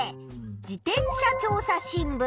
「自転車調査新聞」。